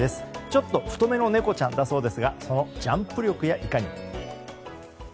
ちょっと太めの猫ちゃんだそうですがそのジャンプ力や、いかに。